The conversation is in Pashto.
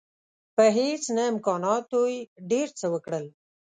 په هیڅ نه امکاناتو یې ډېر څه وکړل.